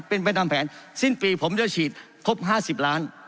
เป็นไปตามแผนสิ้นปีผมจะฉีดครบ๕๐ล้าน